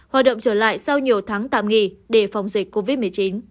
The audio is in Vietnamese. hoạt động trở lại sau nhiều tháng tạm nghỉ để phòng dịch covid một mươi chín